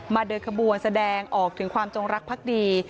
เดินขบวนแสดงออกถึงความจงรักภักดี